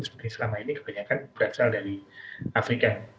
seperti selama ini kebanyakan berasal dari afrika